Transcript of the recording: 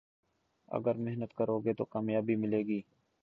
اگر محنت کرو گے تو کامیابی ملے گی